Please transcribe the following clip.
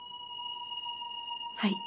はい。